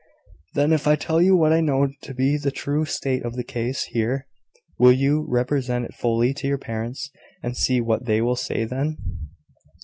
"Then, if I tell you what I know to be the true state of the case here, will you represent it fully to your parents, and see what they will say then?"